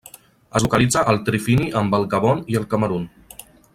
Es localitza al trifini amb el Gabon i el Camerun.